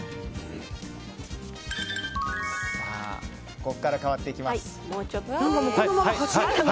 ここから変わっていきます。